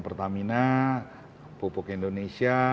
pertamina pupuk indonesia